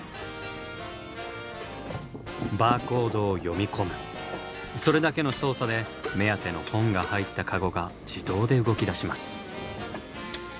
バーコードを読み込むそれだけの操作で目当ての本が入ったカゴが自動で動きだします。